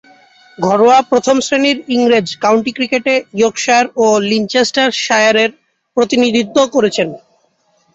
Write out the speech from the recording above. ঘরোয়া প্রথম-শ্রেণীর ইংরেজ কাউন্টি ক্রিকেটে ইয়র্কশায়ার ও লিচেস্টারশায়ারের প্রতিনিধিত্ব করেছেন।